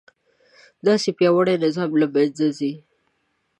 داسې پیاوړی نظام له منځه ځي.